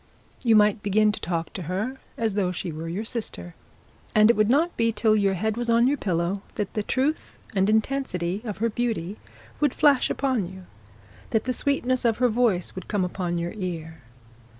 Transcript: You might begin to talk to her as though she were your sister, and it would not be till your head was on your pillow, that the truth and intensity of her beauty would flash upon you; that the sweetness of her voice would come upon your ear.